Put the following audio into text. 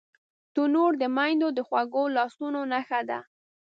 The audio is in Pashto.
تنور د میندو د خوږو لاسونو نښه ده